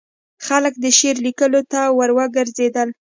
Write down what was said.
خلک د شعر لیکلو ته وروګرځېدل.